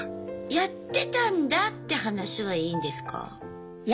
やってたんだって話はいいんですか？